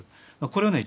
これをね